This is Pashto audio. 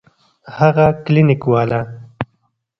هغه کلينيک والا.